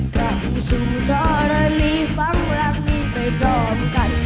กับสู่ชราณีฟังร่างไปพร้อมกัน